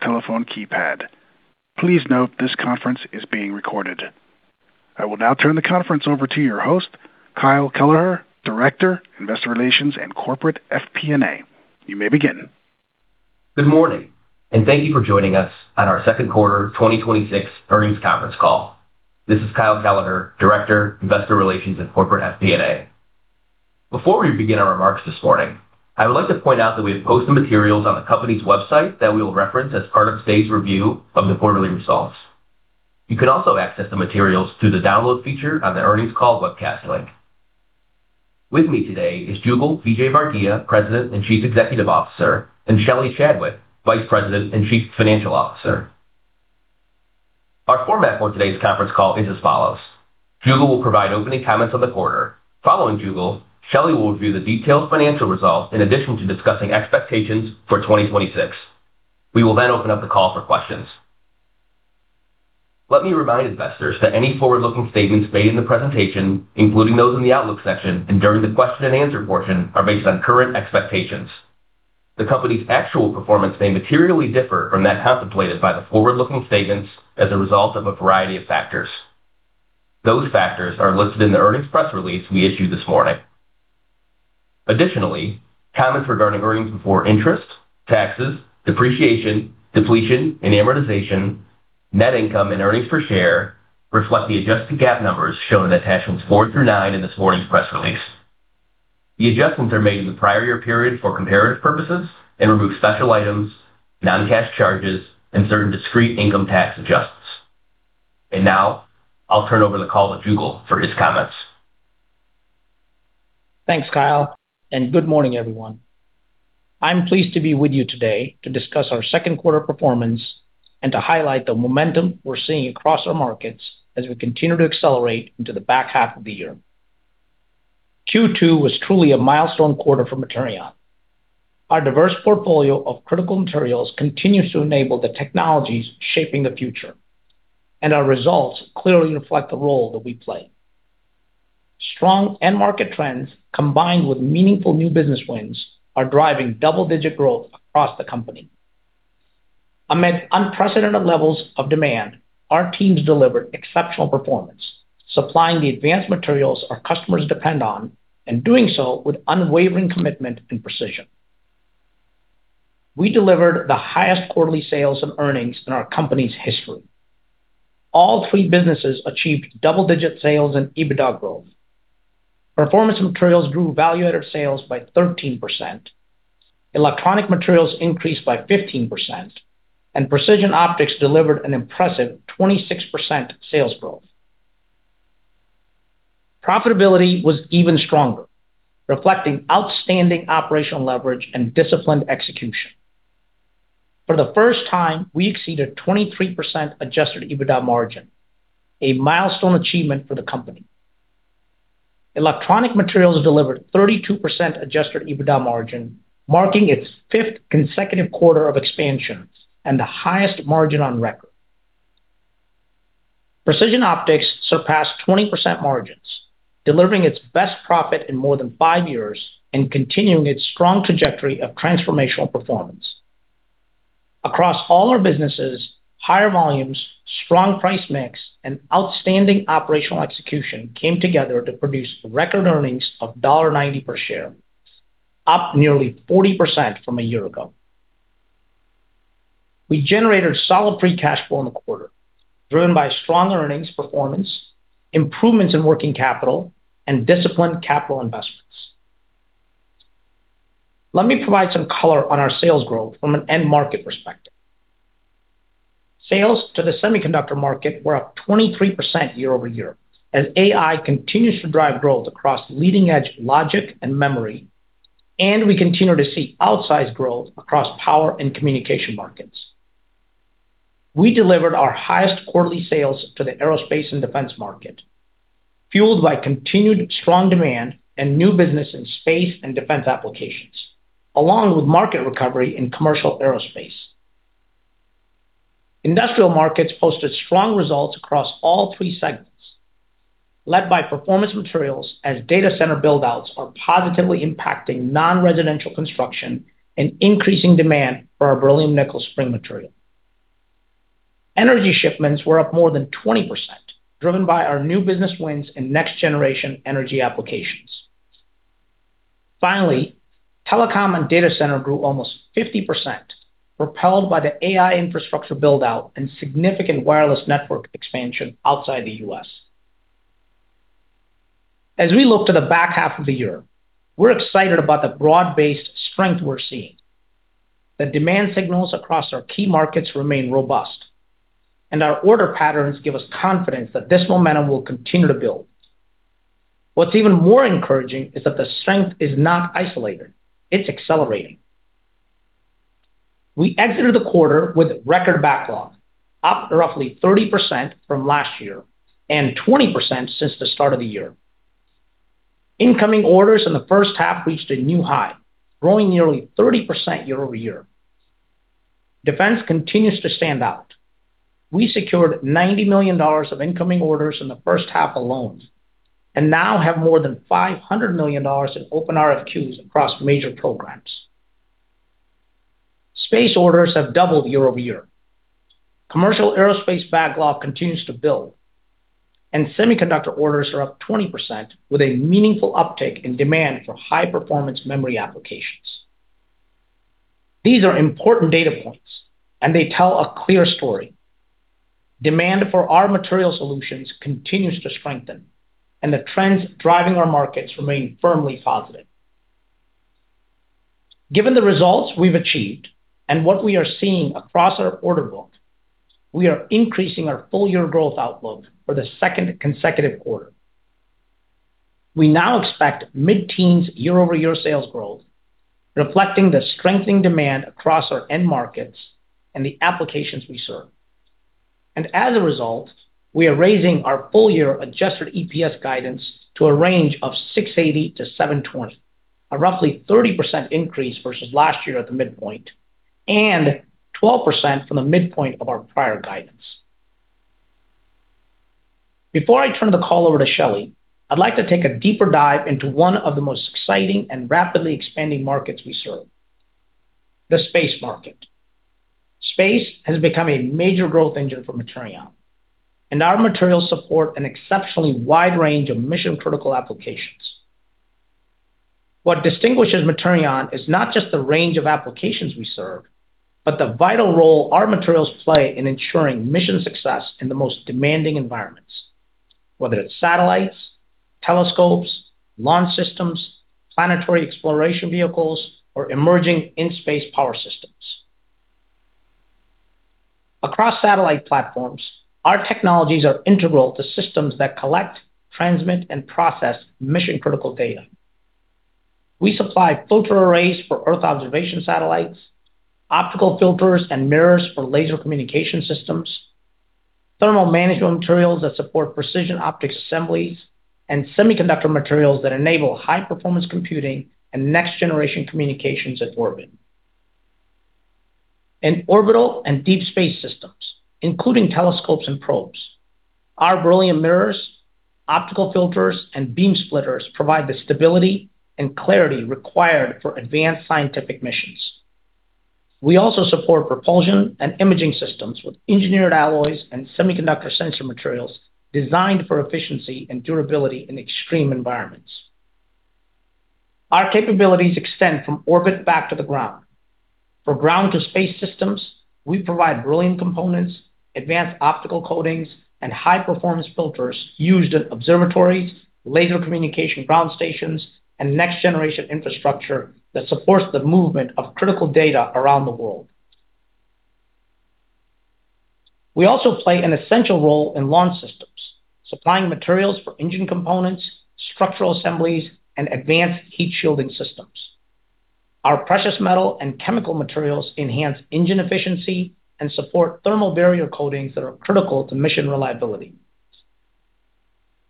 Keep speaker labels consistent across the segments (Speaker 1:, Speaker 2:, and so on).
Speaker 1: telephone keypad. Please note this conference is being recorded. I will now turn the conference over to your host, Kyle Kelleher, Director, Investor Relations and Corporate FP&A. You may begin.
Speaker 2: Good morning. Thank you for joining us on our second quarter 2026 earnings conference call. This is Kyle Kelleher, Director, Investor Relations and Corporate FP&A. Before we begin our remarks this morning, I would like to point out that we have posted materials on the company's website that we will reference as part of today's review of the quarterly results. You can also access the materials through the download feature on the earnings call webcast link. With me today is Jugal Vijayvargiya, President and Chief Executive Officer, and Shelly Chadwick, Vice President and Chief Financial Officer. Our format for today's conference call is as follows: Jugal will provide opening comments on the quarter. Following Jugal, Shelly will review the detailed financial results in addition to discussing expectations for 2026. We will then open up the call for questions. Let me remind investors that any forward-looking statements made in the presentation, including those in the outlook section and during the question and answer portion, are based on current expectations. The company's actual performance may materially differ from that contemplated by the forward-looking statements as a result of a variety of factors. Those factors are listed in the earnings press release we issued this morning. Additionally, comments regarding earnings before interest, taxes, depreciation, depletion, and amortization, net income, and earnings per share reflect the adjusted GAAP numbers shown in attachments four through nine in this morning's press release. The adjustments are made in the prior year period for comparative purposes and remove special items, non-cash charges, and certain discrete income tax adjustments. Now I'll turn over the call to Jugal for his comments.
Speaker 3: Thanks, Kyle. Good morning, everyone. I'm pleased to be with you today to discuss our second quarter performance and to highlight the momentum we're seeing across our markets as we continue to accelerate into the back half of the year. Q2 was truly a milestone quarter for Materion. Our diverse portfolio of critical materials continues to enable the technologies shaping the future. Our results clearly reflect the role that we play. Strong end market trends, combined with meaningful new business wins, are driving double-digit growth across the company. Amid unprecedented levels of demand, our teams delivered exceptional performance, supplying the advanced materials our customers depend on, doing so with unwavering commitment and precision. We delivered the highest quarterly sales and earnings in our company's history. All three businesses achieved double-digit sales and EBITDA growth. Performance Materials grew value-added sales by 13%, Electronic Materials increased by 15%, and Precision Optics delivered an impressive 26% sales growth. Profitability was even stronger, reflecting outstanding operational leverage and disciplined execution. For the first time, we exceeded 23% adjusted EBITDA margin, a milestone achievement for the company. Electronic Materials delivered 32% adjusted EBITDA margin, marking its fifth consecutive quarter of expansion and the highest margin on record. Precision Optics surpassed 20% margins, delivering its best profit in more than five years and continuing its strong trajectory of transformational performance. Across all our businesses, higher volumes, strong price mix, and outstanding operational execution came together to produce record earnings of $1.90 per share, up nearly 40% from a year ago. We generated solid free cash flow in the quarter, driven by strong earnings performance, improvements in working capital, and disciplined capital investments. Let me provide some color on our sales growth from an end market perspective. Sales to the semiconductor market were up 23% year-over-year as AI continues to drive growth across leading-edge logic and memory, and we continue to see outsized growth across power and communication markets. We delivered our highest quarterly sales to the aerospace and defense market, fueled by continued strong demand and new business in space and defense applications, along with market recovery in commercial aerospace. Industrial markets posted strong results across all three segments, led by Performance Materials as data center build-outs are positively impacting non-residential construction and increasing demand for our beryllium nickel spring material. Energy shipments were up more than 20%, driven by our new business wins in next-generation energy applications. Finally, telecom and data center grew almost 50%, propelled by the AI infrastructure build-out and significant wireless network expansion outside the U.S. As we look to the back half of the year, we're excited about the broad-based strength we're seeing. The demand signals across our key markets remain robust, and our order patterns give us confidence that this momentum will continue to build. What's even more encouraging is that the strength is not isolated. It's accelerating. We entered the quarter with record backlog, up roughly 30% from last year, and 20% since the start of the year. Incoming orders in the first half reached a new high, growing nearly 30% year-over-year. Defense continues to stand out. We secured $90 million of incoming orders in the first half alone, and now have more than $500 million in open RFQs across major programs. Space orders have doubled year-over-year. Commercial aerospace backlog continues to build, and semiconductor orders are up 20% with a meaningful uptick in demand for high-performance memory applications. These are important data points, and they tell a clear story. Demand for our material solutions continues to strengthen, and the trends driving our markets remain firmly positive. Given the results we've achieved and what we are seeing across our order book, we are increasing our full-year growth outlook for the second consecutive quarter. We now expect mid-teens year-over-year sales growth, reflecting the strengthening demand across our end markets and the applications we serve. As a result, we are raising our full-year adjusted EPS guidance to a range of $6.80-$7.20, a roughly 30% increase versus last year at the midpoint, and 12% from the midpoint of our prior guidance. Before I turn the call over to Shelly, I'd like to take a deeper dive into one of the most exciting and rapidly expanding markets we serve, the space market. Space has become a major growth engine for Materion, and our materials support an exceptionally wide range of mission-critical applications. What distinguishes Materion is not just the range of applications we serve, but the vital role our materials play in ensuring mission success in the most demanding environments, whether it's satellites, telescopes, launch systems, planetary exploration vehicles, or emerging in-space power systems. Across satellite platforms, our technologies are integral to systems that collect, transmit, and process mission-critical data. We supply filter arrays for Earth observation satellites, optical filters and mirrors for laser communication systems, thermal management materials that support precision optic assemblies, and semiconductor materials that enable high-performance computing and next-generation communications at orbit. In orbital and deep space systems, including telescopes and probes, our beryllium mirrors, optical filters, and beam splitters provide the stability and clarity required for advanced scientific missions. We also support propulsion and imaging systems with engineered alloys and semiconductor sensor materials designed for efficiency and durability in extreme environments. Our capabilities extend from orbit back to the ground. For ground to space systems, we provide beryllium components, advanced optical coatings, and high-performance filters used in observatories, laser communication ground stations, and next-generation infrastructure that supports the movement of critical data around the world. We also play an essential role in launch systems, supplying materials for engine components, structural assemblies, and advanced heat shielding systems. Our precious metal and chemical materials enhance engine efficiency and support thermal barrier coatings that are critical to mission reliability.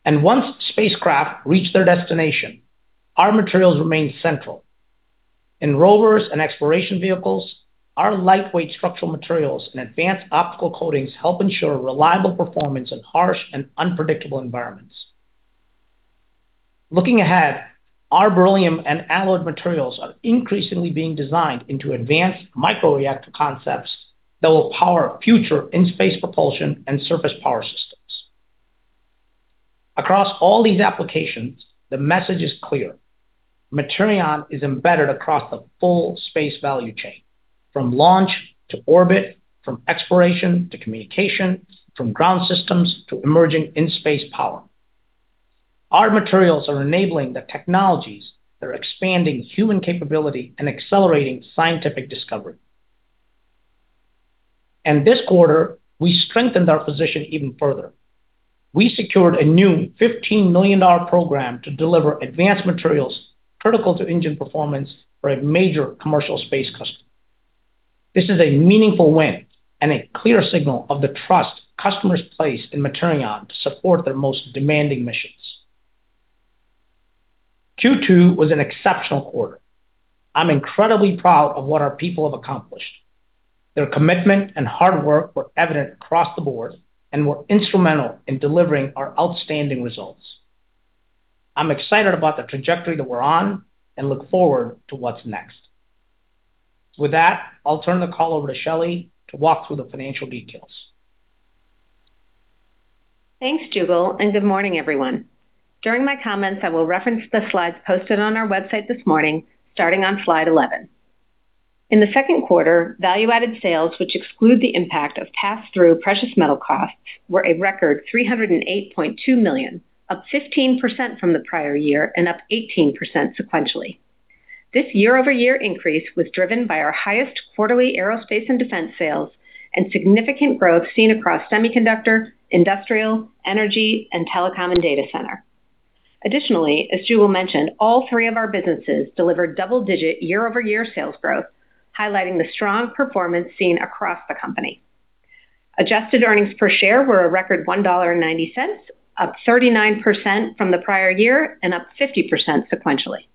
Speaker 3: And once spacecraft reach their destination, our materials remain central. In rovers and exploration vehicles, our lightweight structural materials and advanced optical coatings help ensure reliable performance in harsh and unpredictable environments. Looking ahead, our beryllium and alloyed materials are increasingly being designed into advanced microreactor concepts that will power future in-space propulsion and surface power systems. Across all these applications, the message is clear. Materion is embedded across the full space value chain, from launch to orbit, from exploration to communication, from ground systems to emerging in-space power. Our materials are enabling the technologies that are expanding human capability and accelerating scientific discovery. This quarter, we strengthened our position even further. We secured a new $15 million program to deliver advanced materials critical to engine performance for a major commercial space customer. This is a meaningful win and a clear signal of the trust customers place in Materion to support their most demanding missions. Q2 was an exceptional quarter. I'm incredibly proud of what our people have accomplished. Their commitment and hard work were evident across the board and were instrumental in delivering our outstanding results. I'm excited about the trajectory that we're on and look forward to what's next. With that, I'll turn the call over to Shelly to walk through the financial details.
Speaker 4: Thanks, Jugal, and good morning, everyone. During my comments, I will reference the slides posted on our website this morning, starting on slide 11. In the second quarter, value-added sales, which exclude the impact of pass-through precious metal costs, were a record $308.2 million, up 15% from the prior year and up 18% sequentially. This year-over-year increase was driven by our highest quarterly aerospace and defense sales and significant growth seen across semiconductor, industrial, energy, and telecom and data center. Additionally, as Jugal mentioned, all three of our businesses delivered double-digit year-over-year sales growth, highlighting the strong performance seen across the company. Adjusted earnings per share were a record $1.90, up 39% from the prior year and up 50% sequentially.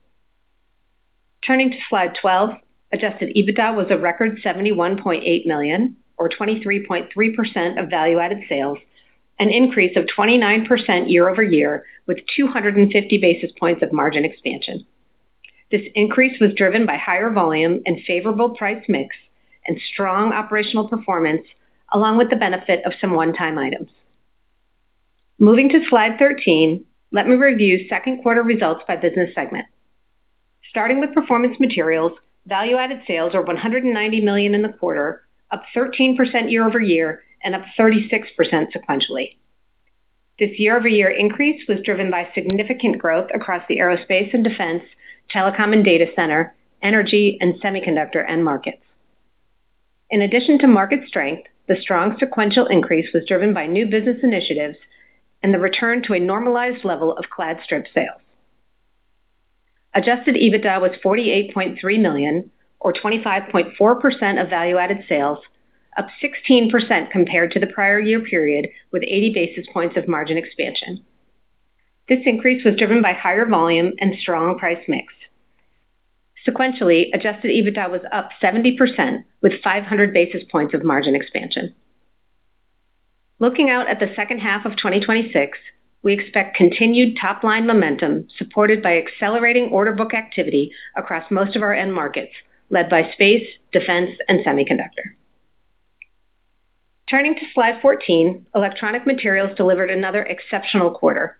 Speaker 4: Turning to slide 12, adjusted EBITDA was a record $71.8 million, or 23.3% of value-added sales, an increase of 29% year-over-year with 250 basis points of margin expansion. This increase was driven by higher volume and favorable price mix and strong operational performance, along with the benefit of some one-time items. Moving to slide 13, let me review second quarter results by business segment. Starting with Performance Materials, value-added sales are $190 million in the quarter, up 13% year-over-year and up 36% sequentially. This year-over-year increase was driven by significant growth across the aerospace and defense, telecom and data center, energy and semiconductor end markets. In addition to market strength, the strong sequential increase was driven by new business initiatives and the return to a normalized level of clad strip sales. Adjusted EBITDA was $48.3 million, or 25.4% of value-added sales, up 16% compared to the prior year period with 80 basis points of margin expansion. This increase was driven by higher volume and strong price mix. Sequentially, adjusted EBITDA was up 70% with 500 basis points of margin expansion. Looking out at the second half of 2026, we expect continued top-line momentum supported by accelerating order book activity across most of our end markets, led by space, defense, and semiconductor. Turning to slide 14, Electronic Materials delivered another exceptional quarter.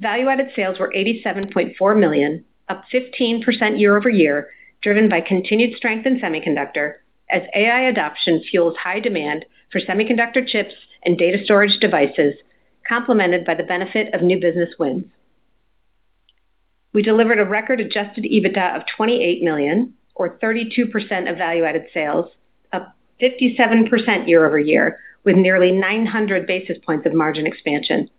Speaker 4: Value-added sales were $87.4 million, up 15% year-over-year, driven by continued strength in semiconductor as AI adoption fuels high demand for semiconductor chips and data storage devices, complemented by the benefit of new business wins. We delivered a record adjusted EBITDA of $28 million, or 32% of value-added sales, up 57% year-over-year with nearly 900 basis points of margin expansion.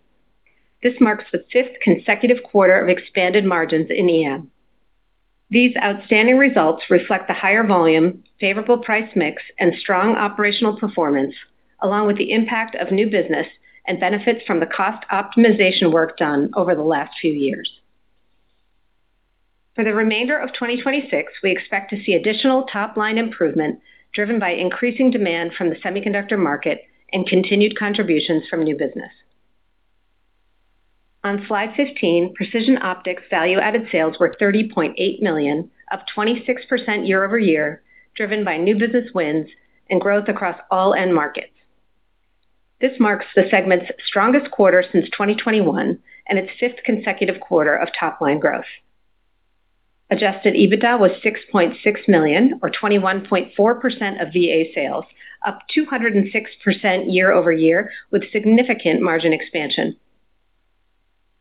Speaker 4: This marks the fifth consecutive quarter of expanded margins in EM. These outstanding results reflect the higher volume, favorable price mix, and strong operational performance, along with the impact of new business and benefits from the cost optimization work done over the last few years. For the remainder of 2026, we expect to see additional top-line improvement driven by increasing demand from the semiconductor market and continued contributions from new business. On slide 15, Precision Optics value-added sales were $30.8 million, up 26% year-over-year, driven by new business wins and growth across all end markets. This marks the segment's strongest quarter since 2021 and its fifth consecutive quarter of top-line growth. Adjusted EBITDA was $6.6 million, or 21.4% of VA sales, up 206% year-over-year with significant margin expansion.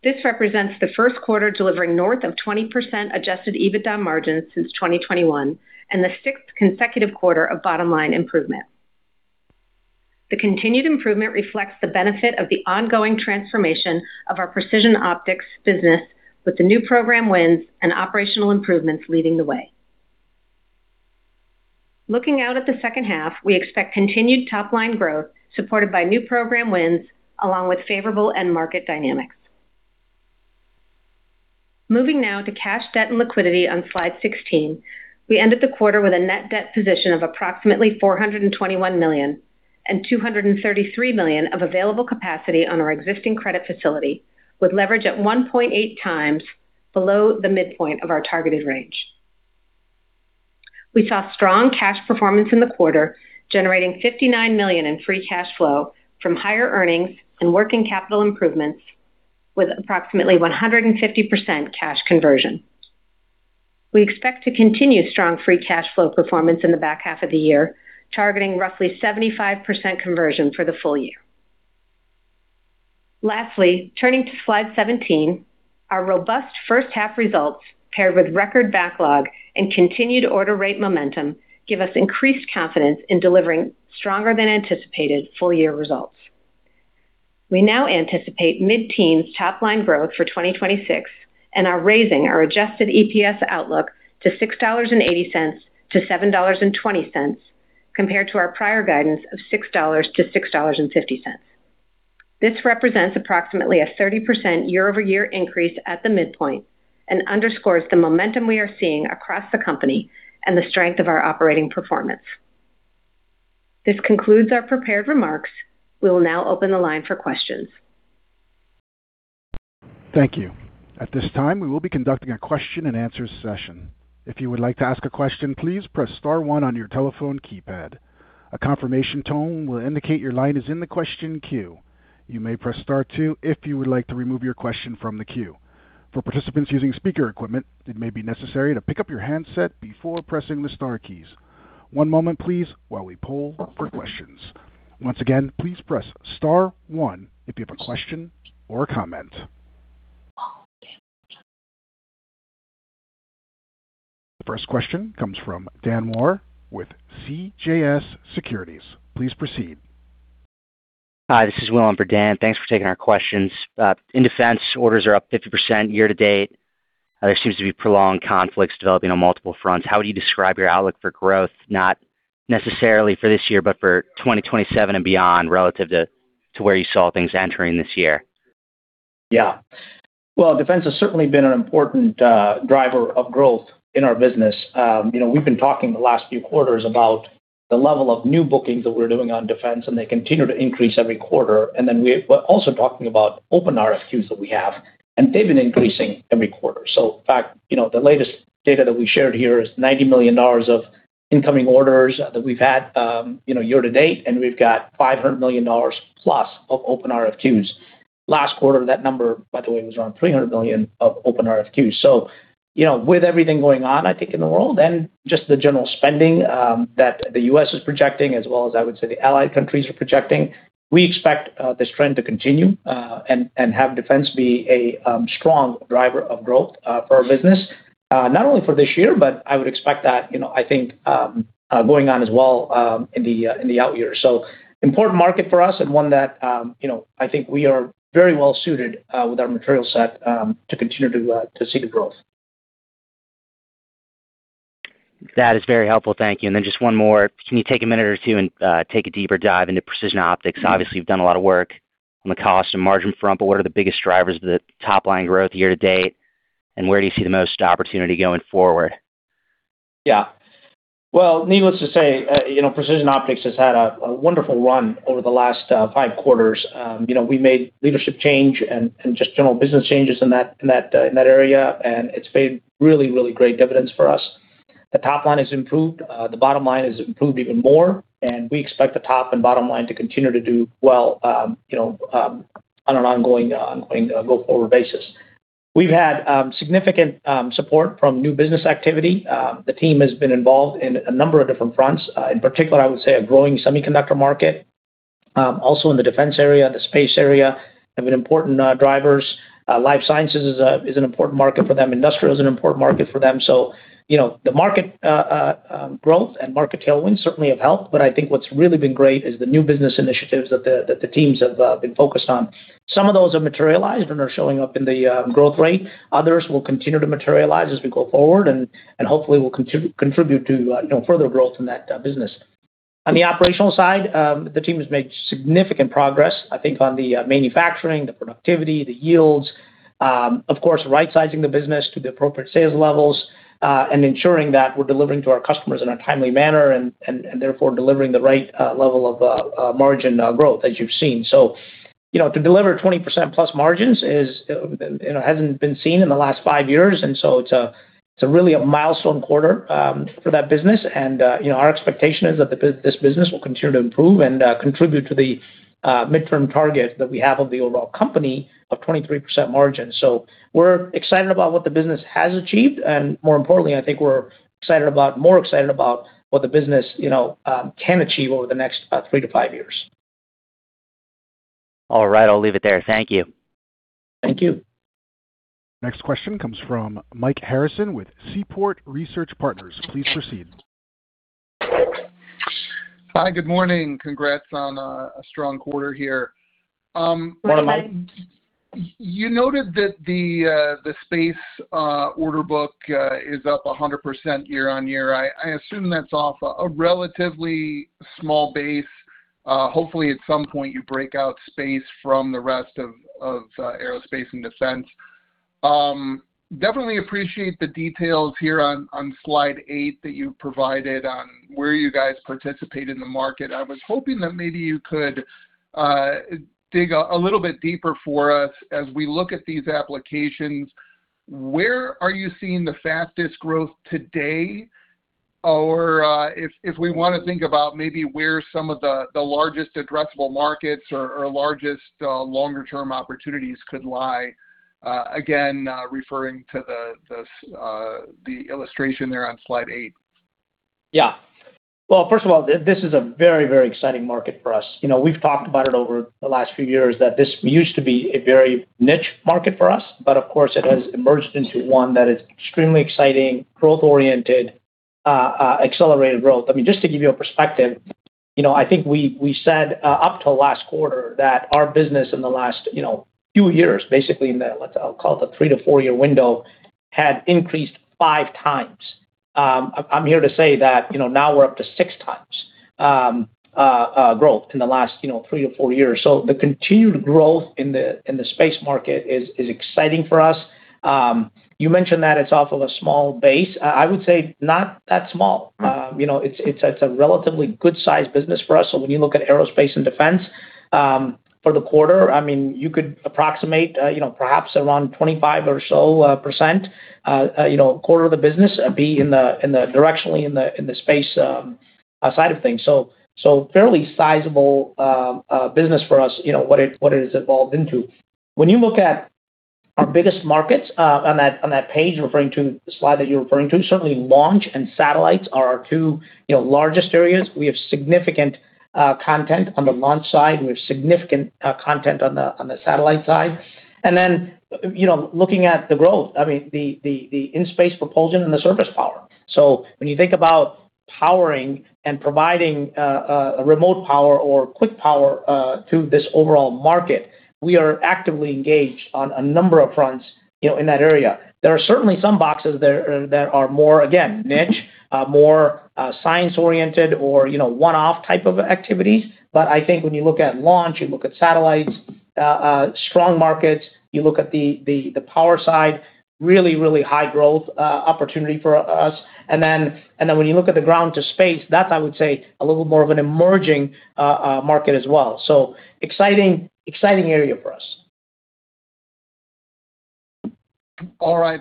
Speaker 4: This represents the first quarter delivering north of 20% adjusted EBITDA margins since 2021 and the sixth consecutive quarter of bottom-line improvement. The continued improvement reflects the benefit of the ongoing transformation of our Precision Optics business with the new program wins and operational improvements leading the way. Looking out at the second half, we expect continued top-line growth supported by new program wins along with favorable end market dynamics. Moving now to cash debt and liquidity on slide 16. We ended the quarter with a net debt position of approximately $421 million and $233 million of available capacity on our existing credit facility with leverage at 1.8x below the midpoint of our targeted range. We saw strong cash performance in the quarter, generating $59 million in free cash flow from higher earnings and working capital improvements with approximately 150% cash conversion. We expect to continue strong free cash flow performance in the back half of the year, targeting roughly 75% conversion for the full year. Lastly, turning to slide 17, our robust first half results paired with record backlog and continued order rate momentum give us increased confidence in delivering stronger than anticipated full year results. We now anticipate mid-teens top-line growth for 2026 and are raising our adjusted EPS outlook to $6.80-$7.20 compared to our prior guidance of $6-$6.50. This represents approximately a 30% year-over-year increase at the midpoint and underscores the momentum we are seeing across the company and the strength of our operating performance. This concludes our prepared remarks. We will now open the line for questions.
Speaker 1: Thank you. At this time, we will be conducting a question-and-answer session. If you would like to ask a question, please press star one on your telephone keypad. A confirmation tone will indicate your line is in the question queue. You may press star two if you would like to remove your question from the queue. For participants using speaker equipment, it may be necessary to pick up your handset before pressing the star keys. One moment, please, while we poll for questions. Once again, please press star one if you have a question or a comment. The first question comes from Dan Moore with CJS Securities. Please proceed.
Speaker 5: Hi, this is Will on for Dan. Thanks for taking our questions. In defense, orders are up 50% year-to-date. There seems to be prolonged conflicts developing on multiple fronts. How would you describe your outlook for growth, not necessarily for this year, but for 2027 and beyond, relative to where you saw things entering this year?
Speaker 3: Well, defense has certainly been an important driver of growth in our business. We've been talking the last few quarters about the level of new bookings that we're doing on defense, and they continue to increase every quarter. We're also talking about open RFQs that we have, and they've been increasing every quarter. In fact, the latest data that we shared here is $90 million of incoming orders that we've had year-to-date, and we've got $500+ million of open RFQs. Last quarter, that number, by the way, was around $300 million of open RFQs. With everything going on, I think, in the world and just the general spending that the U.S. is projecting, as well as I would say the allied countries are projecting, we expect this trend to continue, and have defense be a strong driver of growth for our business, not only for this year, but I would expect that, I think, going on as well in the out years. Important market for us and one that I think we are very well suited with our material set to continue to see the growth.
Speaker 5: That is very helpful. Thank you. Just one more. Can you take a minute or two and take a deeper dive into Precision Optics? Obviously, you've done a lot of work on the cost and margin front, but what are the biggest drivers of the top-line growth year-to-date, and where do you see the most opportunity going forward?
Speaker 3: Well, needless to say, Precision Optics has had a wonderful run over the last five quarters. We made leadership change and just general business changes in that area, and it's paid really great dividends for us. The top line has improved. The bottom line has improved even more, and we expect the top and bottom line to continue to do well on an ongoing going-forward basis. We've had significant support from new business activity. The team has been involved in a number of different fronts. In particular, I would say a growing semiconductor market. Also in the defense area, the space area, have been important drivers. Life sciences is an important market for them. Industrial is an important market for them. The market growth and market tailwinds certainly have helped, I think what's really been great is the new business initiatives that the teams have been focused on. Some of those have materialized and are showing up in the growth rate. Others will continue to materialize as we go forward, and hopefully will contribute to further growth in that business. On the operational side, the team has made significant progress, I think, on the manufacturing, the productivity, the yields. Of course, right-sizing the business to the appropriate sales levels, and ensuring that we're delivering to our customers in a timely manner and therefore delivering the right level of margin growth as you've seen. To deliver 20%+ margins hasn't been seen in the last five years, it's really a milestone quarter for that business. Our expectation is that this business will continue to improve and contribute to the midterm target that we have of the overall company of 23% margin. We're excited about what the business has achieved, and more importantly, I think we're more excited about what the business can achieve over the next three to five years.
Speaker 5: All right. I'll leave it there. Thank you.
Speaker 3: Thank you.
Speaker 1: Next question comes from Mike Harrison with Seaport Research Partners. Please proceed.
Speaker 6: Hi. Good morning. Congrats on a strong quarter here.
Speaker 3: Morning, Mike.
Speaker 6: You noted that the space order book is up 100% year-over-year. I assume that's off a relatively small base. Hopefully, at some point, you break out space from the rest of aerospace and defense. Definitely appreciate the details here on slide eight that you provided on where you guys participate in the market. I was hoping that maybe you could dig a little bit deeper for us as we look at these applications. If we want to think about maybe where some of the largest addressable markets or largest longer-term opportunities could lie, again, referring to the illustration there on slide eight.
Speaker 3: First of all, this is a very exciting market for us. We've talked about it over the last few years that this used to be a very niche market for us, but of course, it has emerged into one that is extremely exciting, growth-oriented, accelerated growth. Just to give you a perspective, I think we said up till last quarter that our business in the last few years, basically in the, let's call it the three to four-year window, had increased five times. I'm here to say that now we're up to six times growth in the last three or four years. The continued growth in the space market is exciting for us. You mentioned that it's off of a small base. I would say not that small. It's a relatively good size business for us. When you look at aerospace and defense for the quarter, you could approximate perhaps around 25% or so, quarter of the business be directionally in the space side of things. Fairly sizable business for us, what it has evolved into. When you look at our biggest markets on that page you're referring to, the slide that you're referring to, certainly launch and satellites are our two largest areas. We have significant content on the launch side. We have significant content on the satellite side. Looking at the growth, the in-space propulsion and the surface power. When you think about powering and providing remote power or quick power to this overall market, we are actively engaged on a number of fronts in that area. There are certainly some boxes there that are more, again, niche, more science-oriented or one-off type of activities. I think when you look at launch, you look at satellites, strong markets, you look at the power side, really high growth opportunity for us. When you look at the ground to space, that's, I would say, a little more of an emerging market as well. Exciting area for us.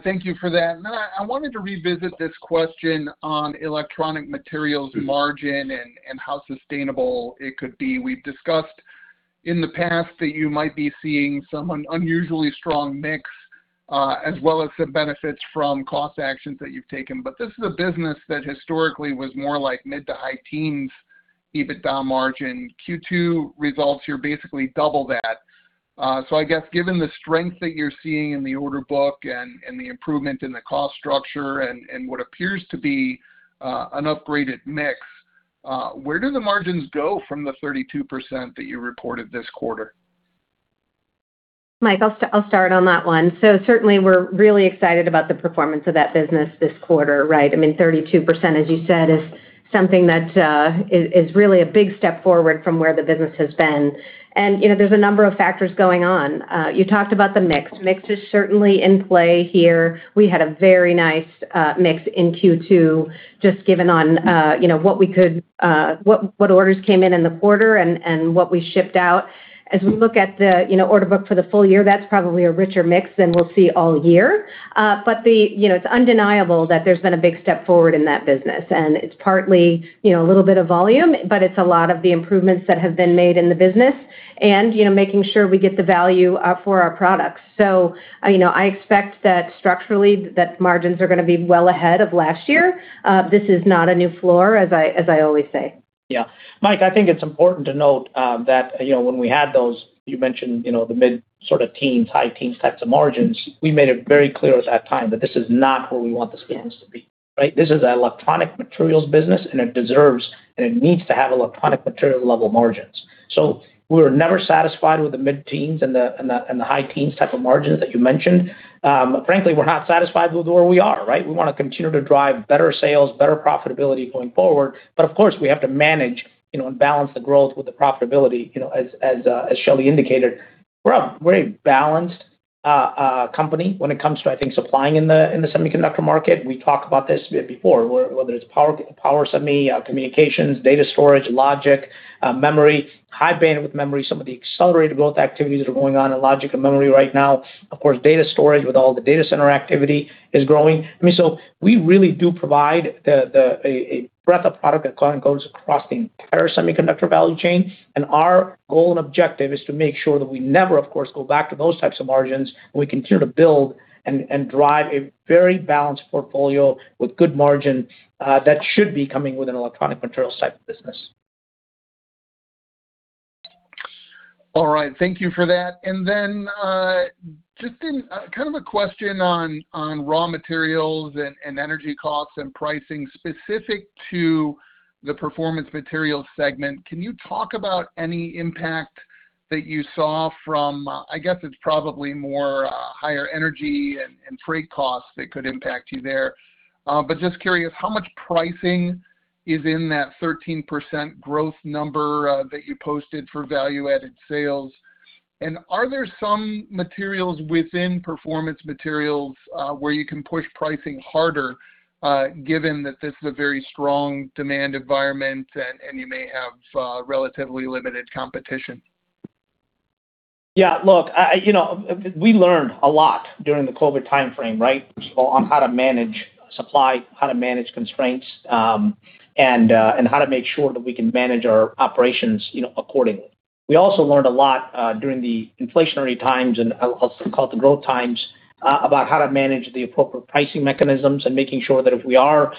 Speaker 6: Thank you for that. I wanted to revisit this question on Electronic Materials margin and how sustainable it could be. We've discussed in the past that you might be seeing some unusually strong mix, as well as the benefits from cost actions that you've taken. This is a business that historically was more like mid to high teens EBITDA margin. Q2 results, you're basically double that. I guess given the strength that you're seeing in the order book and the improvement in the cost structure and what appears to be an upgraded mix, where do the margins go from the 32% that you reported this quarter?
Speaker 4: Mike, I'll start on that one. Certainly we're really excited about the performance of that business this quarter, right? 32%, as you said, is something that is really a big step forward from where the business has been. There's a number of factors going on. You talked about the mix. Mix is certainly in play here. We had a very nice mix in Q2, just given on what orders came in the quarter and what we shipped out. As we look at the order book for the full year, that's probably a richer mix than we'll see all year. It's undeniable that there's been a big step forward in that business, and it's partly a little bit of volume, but it's a lot of the improvements that have been made in the business and making sure we get the value for our products. I expect that structurally, that margins are going to be well ahead of last year. This is not a new floor, as I always say.
Speaker 3: Yeah. Mike, I think it's important to note that when we had those, you mentioned, the mid sort of teens, high teens types of margins, we made it very clear at that time that this is not where we want this business to be, right? This is an Electronic Materials business, and it deserves, and it needs to have Electronic Materials level margins. We were never satisfied with the mid-teens and the high teens type of margins that you mentioned. Frankly, we're not satisfied with where we are, right? We want to continue to drive better sales, better profitability going forward. Of course, we have to manage and balance the growth with the profitability. As Shelly indicated, we're a very balanced company when it comes to, I think, supplying in the semiconductor market. We talked about this before, whether it's power semi, communications, data storage, logic, memory, high bandwidth memory, some of the accelerated growth activities that are going on in logic and memory right now. Of course, data storage with all the data center activity is growing. We really do provide a breadth of product that kind of goes across the entire semiconductor value chain, and our goal and objective is to make sure that we never, of course, go back to those types of margins, and we continue to build and drive a very balanced portfolio with good margin that should be coming with an Electronic Materials type business.
Speaker 6: All right. Thank you for that. Just kind of a question on raw materials and energy costs and pricing specific to the Performance Materials segment. Can you talk about any impact that you saw from, I guess it's probably more higher energy and freight costs that could impact you there. Just curious, how much pricing is in that 13% growth number that you posted for value-added sales? Are there some materials within Performance Materials, where you can push pricing harder, given that this is a very strong demand environment and you may have relatively limited competition?
Speaker 3: Yeah, look, we learned a lot during the COVID timeframe, right? First of all, on how to manage supply, how to manage constraints, and how to make sure that we can manage our operations accordingly. We also learned a lot during the inflationary times, and I'll also call it the growth times, about how to manage the appropriate pricing mechanisms and making sure that if we are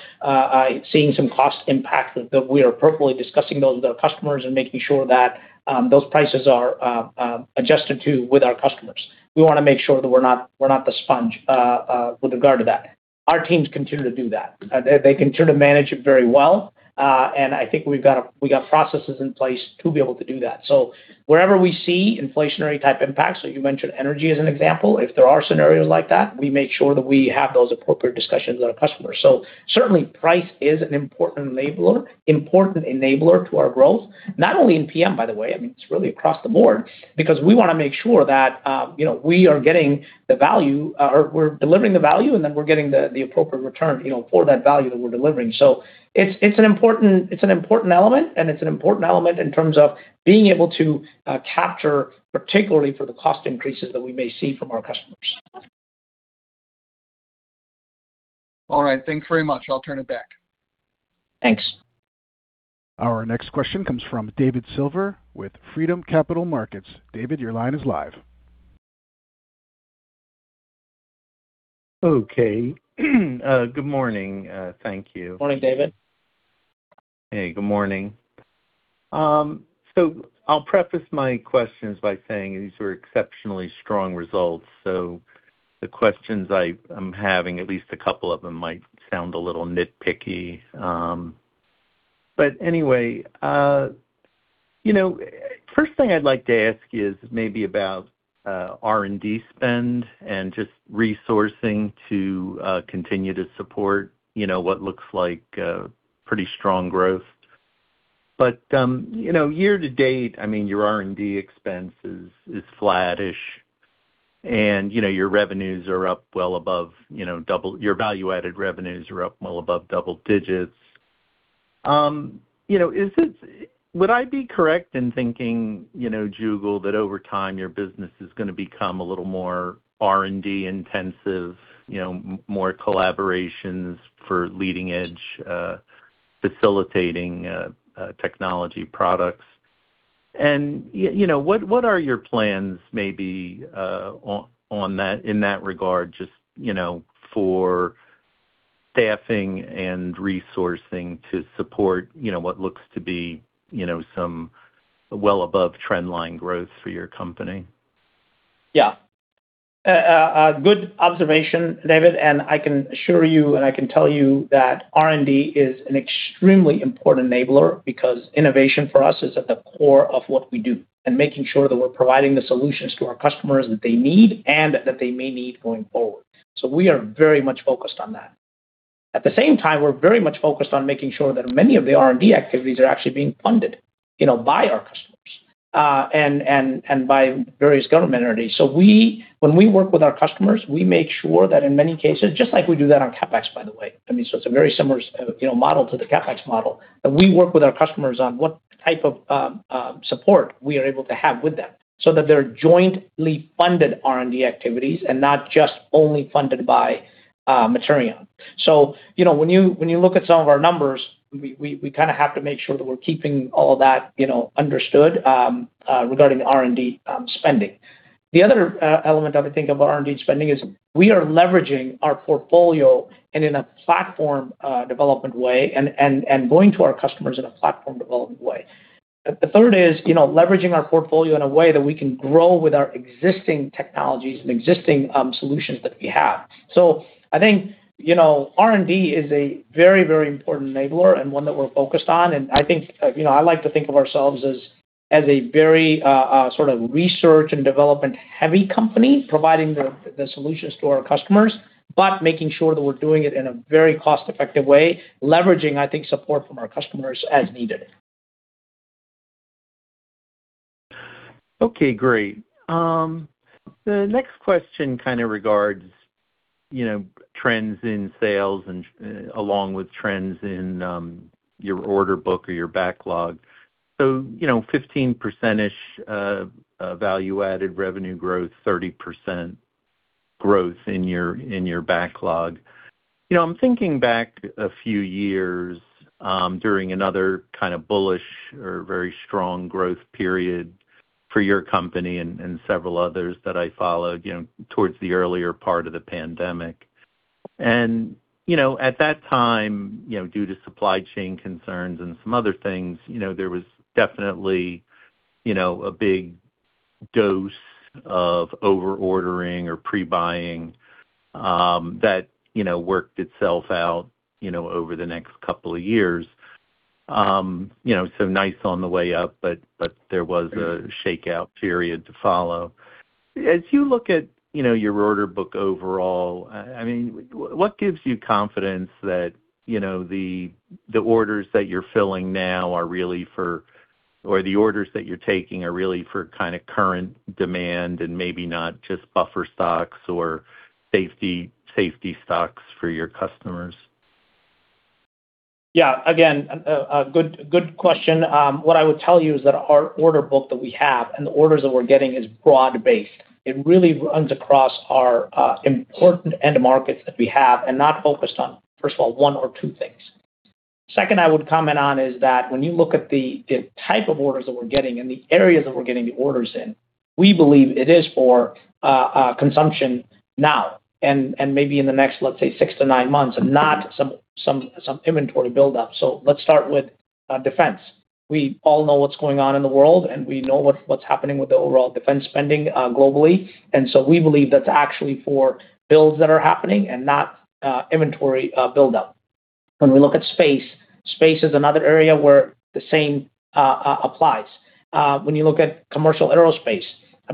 Speaker 3: seeing some cost impact, that we are appropriately discussing those with our customers and making sure that those prices are adjusted too with our customers. We want to make sure that we're not the sponge with regard to that. Our teams continue to do that. They continue to manage it very well. I think we've got processes in place to be able to do that. Wherever we see inflationary type impacts, you mentioned energy as an example, if there are scenarios like that, we make sure that we have those appropriate discussions with our customers. Certainly price is an important enabler to our growth, not only in PM, by the way, I mean, it's really across the board, because we want to make sure that we're delivering the value, and then we're getting the appropriate return for that value that we're delivering. It's an important element, and it's an important element in terms of being able to capture, particularly for the cost increases that we may see from our customers.
Speaker 6: All right. Thanks very much. I'll turn it back.
Speaker 3: Thanks.
Speaker 1: Our next question comes from David Silver with Freedom Capital Markets. David, your line is live.
Speaker 7: Okay. Good morning. Thank you.
Speaker 3: Morning, David.
Speaker 7: Hey, good morning. I'll preface my questions by saying these were exceptionally strong results. Anyway first thing I'd like to ask is maybe about R&D spend and just resourcing to continue to support what looks like pretty strong growth. But year to date, your R&D expense is flat-ish, and your value-added revenues are up well above double digits. Would I be correct in thinking, Jugal, that over time, your business is going to become a little more R&D intensive, more collaborations for leading-edge facilitating technology products? What are your plans maybe in that regard just for staffing and resourcing to support what looks to be some well above trend line growth for your company?
Speaker 3: Yeah. Good observation, David. I can assure you, and I can tell you that R&D is an extremely important enabler because innovation for us is at the core of what we do and making sure that we're providing the solutions to our customers that they need and that they may need going forward. We are very much focused on that. At the same time, we're very much focused on making sure that many of the R&D activities are actually being funded by our customers, and by various government entities. When we work with our customers, we make sure that in many cases, just like we do that on CapEx, by the way. I mean, it's a very similar model to the CapEx model, that we work with our customers on what type of support we are able to have with them so that they're jointly funded R&D activities and not just only funded by Materion. When you look at some of our numbers, we kind of have to make sure that we're keeping all that understood regarding R&D spending. The other element I would think of R&D spending is we are leveraging our portfolio and in a platform development way and going to our customers in a platform development way. The third is leveraging our portfolio in a way that we can grow with our existing technologies and existing solutions that we have. I think, R&D is a very important enabler and one that we're focused on, and I like to think of ourselves as a very sort of research and development-heavy company providing the solutions to our customers, but making sure that we're doing it in a very cost-effective way, leveraging, I think, support from our customers as needed.
Speaker 7: Okay, great. The next question kind of regards trends in sales and along with trends in your order book or your backlog. 15% value-added revenue growth, 30% growth in your backlog. I'm thinking back a few years, during another kind of bullish or very strong growth period for your company and several others that I followed towards the earlier part of the pandemic. At that time, due to supply chain concerns and some other things, there was definitely a big dose of over-ordering or pre-buying, that worked itself out over the next couple of years. Nice on the way up, but there was a shakeout period to follow. As you look at your order book overall, what gives you confidence that the orders that you're filling now are really for or the orders that you're taking are really for kind of current demand and maybe not just buffer stocks or safety stocks for your customers?
Speaker 3: Yeah, again, a good question. What I would tell you is that our order book that we have and the orders that we're getting is broad-based. It really runs across our important end markets that we have and not focused on, first of all, one or two things. Second, I would comment on is that when you look at the type of orders that we're getting and the areas that we're getting the orders in, we believe it is for consumption now, and maybe in the next, let's say, six to nine months, and not some inventory buildup. Let's start with defense. We all know what's going on in the world, and we know what's happening with the overall defense spending globally. We believe that's actually for builds that are happening and not inventory buildup. We look at space is another area where the same applies. We look at commercial aerospace,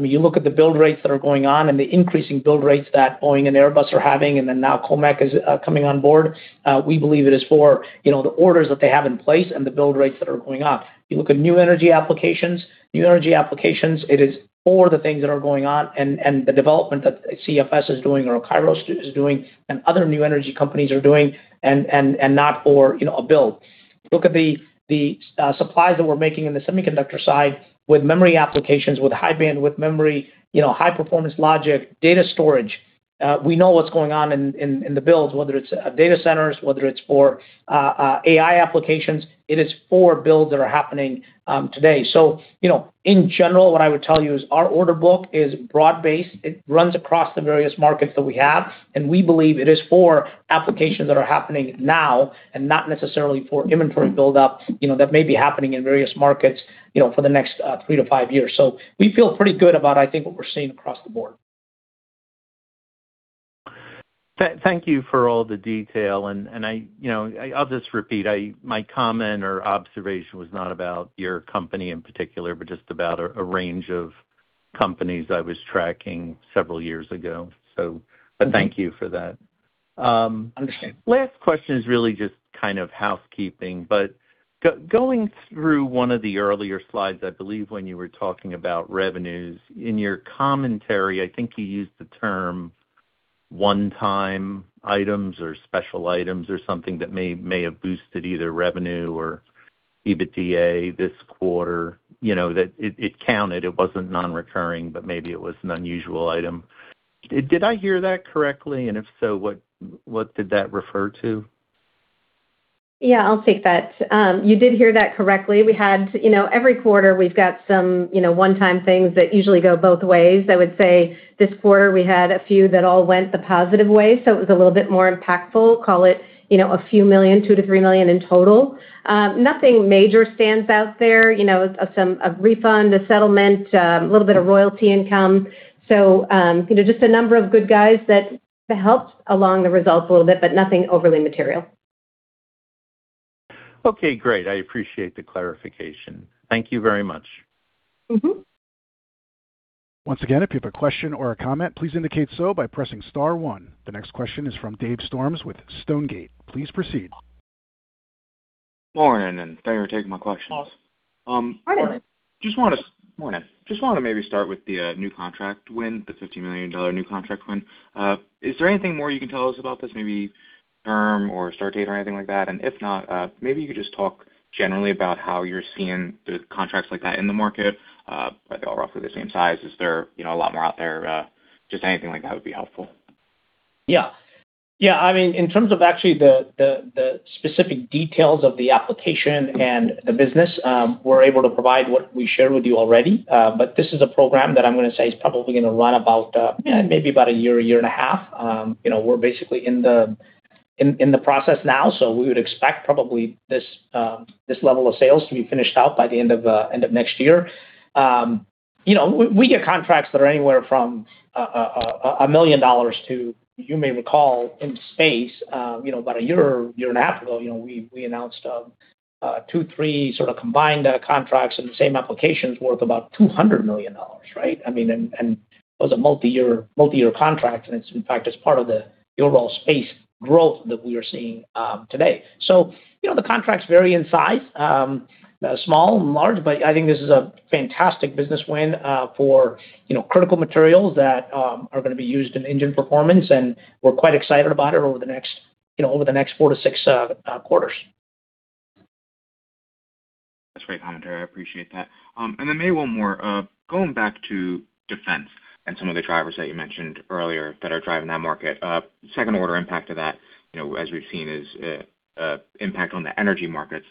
Speaker 3: you look at the build rates that are going on and the increasing build rates that Boeing and Airbus are having, now COMAC is coming on board. We believe it is for the orders that they have in place and the build rates that are going up. You look at new energy applications. New energy applications, it is for the things that are going on and the development that CFS is doing or Kairos is doing and other new energy companies are doing and not for a build. Look at the supplies that we're making in the semiconductor side with memory applications, with high bandwidth memory, high-performance logic, data storage. We know what's going on in the builds, whether it's data centers, whether it's for AI applications. It is for builds that are happening today. In general, what I would tell you is our order book is broad-based. It runs across the various markets that we have, and we believe it is for applications that are happening now and not necessarily for inventory buildup that may be happening in various markets for the next three to five years. We feel pretty good about, I think, what we're seeing across the board.
Speaker 7: Thank you for all the detail. I'll just repeat, my comment or observation was not about your company in particular, but just about a range of companies I was tracking several years ago. Thank you for that.
Speaker 3: Understood.
Speaker 7: Last question is really just kind of housekeeping. Going through one of the earlier slides, I believe, when you were talking about revenues. In your commentary, I think you used the term one-time items or special items or something that may have boosted either revenue or EBITDA this quarter. That it counted, it wasn't non-recurring, but maybe it was an unusual item. Did I hear that correctly? If so, what did that refer to?
Speaker 4: Yeah, I'll take that. You did hear that correctly. Every quarter, we've got some one-time things that usually go both ways. I would say this quarter we had a few that all went the positive way. It was a little bit more impactful. Call it a few million, $2 million-$3 million in total. Nothing major stands out there. A refund, a settlement, a little bit of royalty income. Just a number of good guys that helped along the results a little bit, but nothing overly material.
Speaker 7: Okay, great. I appreciate the clarification. Thank you very much.
Speaker 1: Once again, if you have a question or a comment, please indicate so by pressing star one. The next question is from Dave Storms with Stonegate. Please proceed.
Speaker 8: Lauren, thank you for taking my questions.
Speaker 4: Morning.
Speaker 3: Morning.
Speaker 8: Morning. Just want to maybe start with the new contract win, the $15 million new contract win. Is there anything more you can tell us about this, maybe term or start date or anything like that? If not, maybe you could just talk generally about how you're seeing the contracts like that in the market. Are they all roughly the same size? Is there a lot more out there? Just anything like that would be helpful.
Speaker 3: Yeah. In terms of actually the specific details of the application and the business, we're able to provide what we shared with you already. This is a program that I'm going to say is probably going to run about maybe about a year, a year and a half. We're basically in the process now, we would expect probably this level of sales to be finished out by the end of next year. We get contracts that are anywhere from $1 million to, you may recall in space, about a year, a year and a half ago, we announced two, three sort of combined contracts in the same applications worth about $200 million, right? It was a multi-year contract, and it's in fact, it's part of the overall space growth that we are seeing today. The contracts vary in size, small and large, but I think this is a fantastic business win for critical materials that are going to be used in engine performance, and we're quite excited about it over the next four to six quarters.
Speaker 8: That's great commentary. I appreciate that. Maybe one more. Going back to defense and some of the drivers that you mentioned earlier that are driving that market. Second-order impact of that, as we've seen, is impact on the energy markets.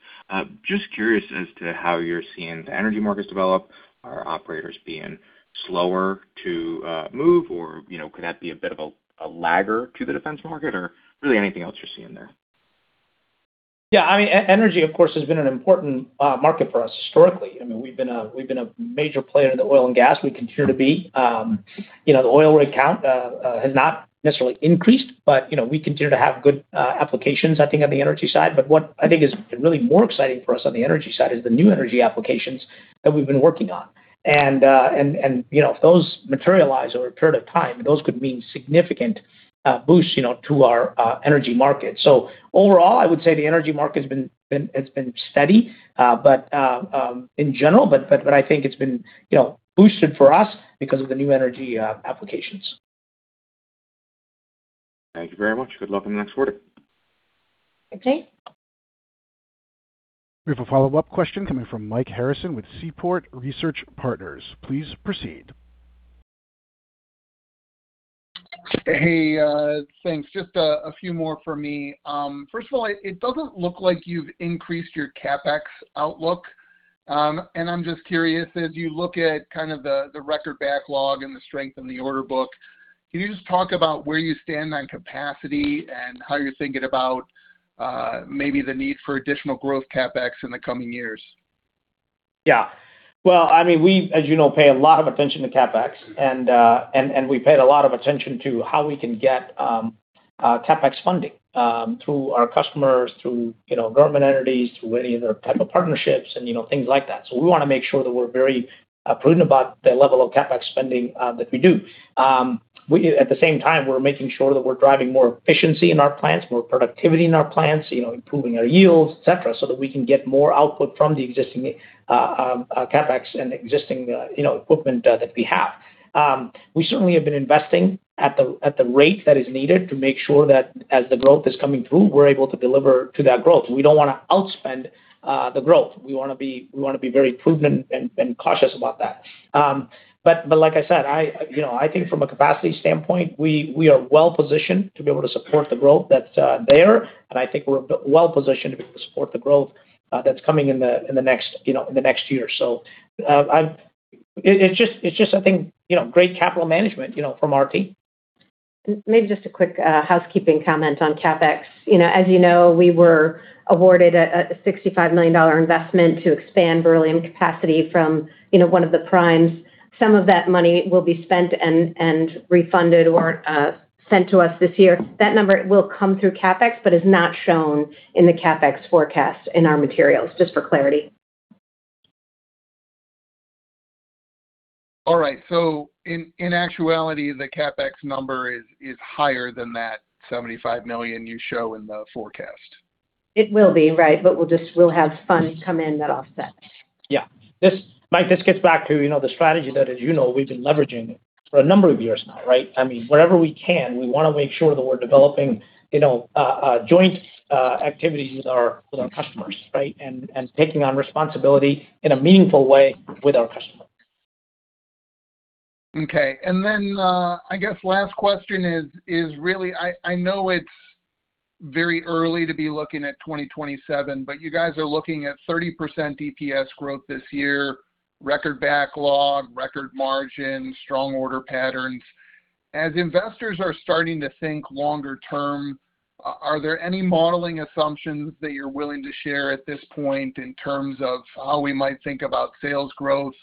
Speaker 8: Just curious as to how you're seeing the energy markets develop. Are operators being slower to move or could that be a bit of a lagger to the defense market or really anything else you're seeing there?
Speaker 3: Energy, of course, has been an important market for us historically. We've been a major player in the oil and gas. We continue to be. The oil rig count has not necessarily increased, but we continue to have good applications, I think, on the energy side. What I think is really more exciting for us on the energy side is the new energy applications that we've been working on. If those materialize over a period of time, those could mean significant boosts to our energy market. Overall, I would say the energy market has been steady in general, but I think it's been boosted for us because of the new energy applications.
Speaker 8: Thank you very much. Good luck on the next quarter.
Speaker 3: Okay.
Speaker 1: We have a follow-up question coming from Mike Harrison with Seaport Research Partners. Please proceed.
Speaker 6: Hey, thanks. Just a few more for me. First of all, it doesn't look like you've increased your CapEx outlook. I'm just curious, as you look at kind of the record backlog and the strength in the order book? Can you just talk about where you stand on capacity and how you're thinking about maybe the need for additional growth CapEx in the coming years?
Speaker 3: Yeah. Well, we, as you know, pay a lot of attention to CapEx, we paid a lot of attention to how we can get CapEx funding, through our customers, through government entities, through any other type of partnerships and things like that. We want to make sure that we're very prudent about the level of CapEx spending that we do. At the same time, we're making sure that we're driving more efficiency in our plants, more productivity in our plants, improving our yields, et cetera, so that we can get more output from the existing CapEx and existing equipment that we have. We certainly have been investing at the rate that is needed to make sure that as the growth is coming through, we're able to deliver to that growth. We don't want to outspend the growth. We want to be very prudent and cautious about that. Like I said, I think from a capacity standpoint, we are well-positioned to be able to support the growth that's there, I think we're well-positioned to be able to support the growth that's coming in the next year. It's just, I think, great capital management from our team.
Speaker 4: Maybe just a quick housekeeping comment on CapEx. As you know, we were awarded a $65 million investment to expand beryllium capacity from one of the primes. Some of that money will be spent and refunded or sent to us this year. That number will come through CapEx but is not shown in the CapEx forecast in our materials, just for clarity.
Speaker 6: All right. In actuality, the CapEx number is higher than that $75 million you show in the forecast.
Speaker 4: It will be, right. We'll have funds come in that offset.
Speaker 3: Yeah. Mike, this gets back to the strategy that, as you know, we've been leveraging for a number of years now, right? Wherever we can, we want to make sure that we're developing joint activities with our customers, right? Taking on responsibility in a meaningful way with our customers.
Speaker 6: Okay. I guess last question is really, I know it's very early to be looking at 2027, but you guys are looking at 30% EPS growth this year, record backlog, record margin, strong order patterns. As investors are starting to think longer term, are there any modeling assumptions that you're willing to share at this point in terms of how we might think about sales growth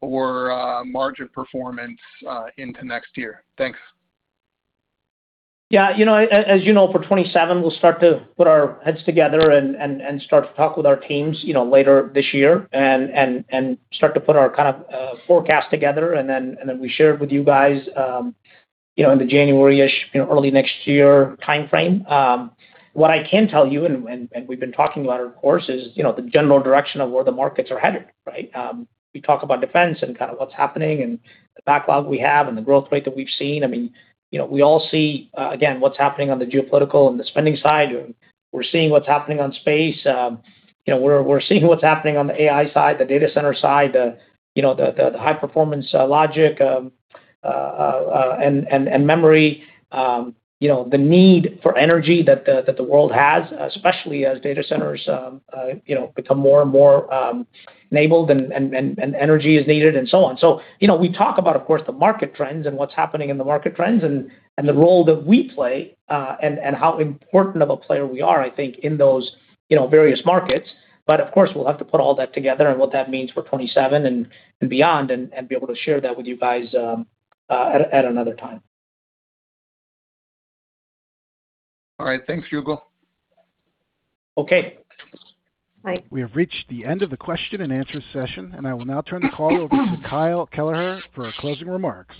Speaker 6: or margin performance into next year? Thanks.
Speaker 3: Yeah. As you know, for 2027, we'll start to put our heads together and start to talk with our teams later this year, start to put our forecast together, then we share it with you guys in the January-ish, early next year timeframe. What I can tell you, we've been talking about it, of course, is the general direction of where the markets are headed, right? We talk about defense and what's happening and the backlog we have and the growth rate that we've seen. We all see, again, what's happening on the geopolitical and the spending side. We're seeing what's happening on space. We're seeing what's happening on the AI side, the data center side, the high-performance logic, and memory. The need for energy that the world has, especially as data centers become more and more enabled and energy is needed and so on. We talk about, of course, the market trends and what's happening in the market trends and the role that we play, and how important of a player we are, I think, in those various markets. Of course, we'll have to put all that together and what that means for 2027 and beyond, be able to share that with you guys at another time.
Speaker 6: All right. Thanks, Jugal.
Speaker 3: Okay.
Speaker 4: Mike.
Speaker 1: We have reached the end of the question and answer session. I will now turn the call over to Kyle Kelleher for closing remarks.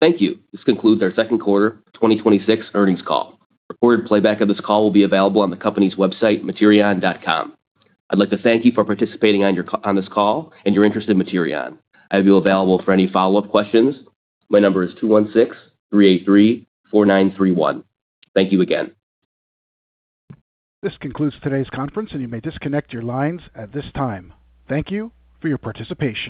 Speaker 2: Thank you. This concludes our second quarter 2026 earnings call. A recorded playback of this call will be available on the company's website, materion.com. I'd like to thank you for participating on this call and your interest in Materion. I'll be available for any follow-up questions. My number is 216-383-4931. Thank you again.
Speaker 1: This concludes today's conference. You may disconnect your lines at this time. Thank you for your participation.